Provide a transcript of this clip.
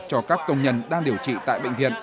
cho các công nhân đang điều trị tại bệnh viện